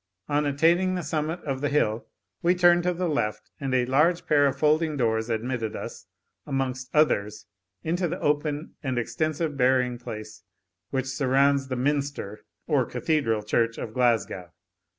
On attaining the summit of the hill, we turned to the left, and a large pair of folding doors admitted us, amongst others, into the open and extensive burying place which surrounds the Minster or Cathedral Church of Glasgow.